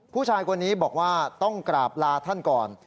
ผู้ชายคนนี้บอกว่าต้องกราบลาท่านก่อน